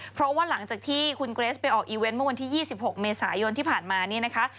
เพราะว่าหลังจากที่คุณเกรสไปออกอีเวนต์เมื่อวันที่๒๖เมษายนที่ผ่านมานี่นะคะ